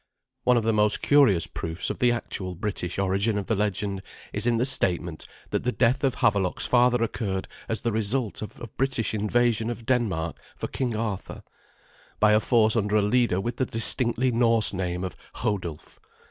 One of the most curious proofs of the actual British origin of the legend is in the statement that the death of Havelok's father occurred as the result of a British invasion of Denmark for King Arthur, by a force under a leader with the distinctly Norse name of Hodulf.